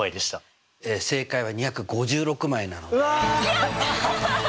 やった！